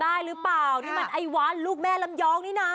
ได้หรือเปล่านี่มันไอ้วันลูกแม่ลำยองนี่นะ